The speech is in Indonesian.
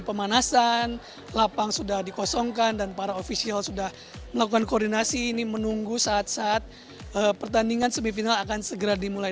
pertandingan semifinal akan segera dimulai